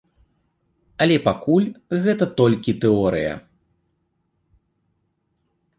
Але пакуль гэта толькі тэорыя.